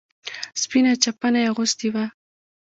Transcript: سپينه چپنه يې اغوستې وه.